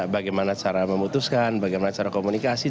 bagaimana cara memutuskan bagaimana cara komunikasi